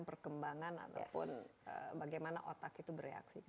perkembangan ataupun bagaimana otak itu bereaksi